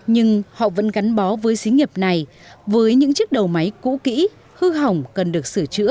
nhưng họ vẫn gắn bó với xí nghiệp này với những chiếc đầu máy cũ kỹ hư hỏng cần được sửa chữa